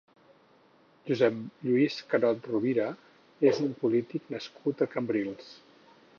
Josep-Lluís Carod-Rovira és un polític nascut a Cambrils.